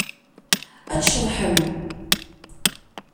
Ad tceḍḥem.